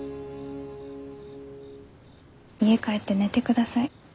家帰って寝てください。